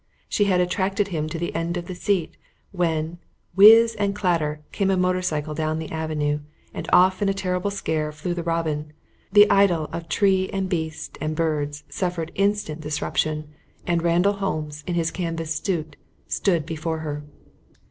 She had attracted him to the end of the seat, when, whizz and clatter, came a motor cycle down the avenue, and off in a terrible scare flew the robin; the idyll of tree and beast and birds suffered instant disruption and Randall Holmes, in his canvas suit, stood before her.